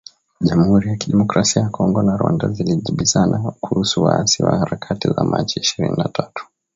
Jamhuri ya Kidemokrasia ya Kongo na Rwanda zajibizana kuhusu waasi wa Harakati za Machi ishirini na tatu.